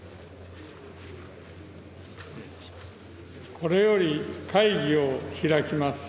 これより会議を開きます。